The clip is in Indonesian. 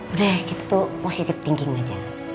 udah deh kita tuh positive thinking aja